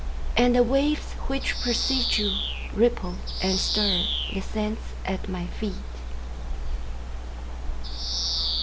And the waves which precede youRipple and stirThe sands at my feet.